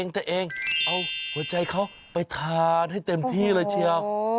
ตัวเองเอาหัวใจเขาไปทานให้เต็มที่เลยเชียว